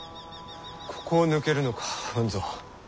ここを抜けるのか半蔵。